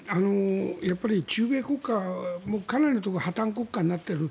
中米国家かなりのところが破たん国家になっている。